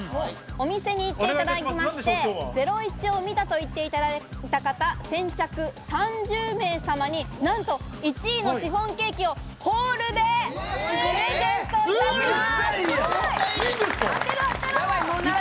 お店に行っていただきまして、『ゼロイチ』を見たと言っていただいた方、先着３０名様に何と１位のシフォンケーキをホールでプレゼントいたします。